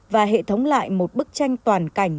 và hệ thống lại một bức tranh toàn cảnh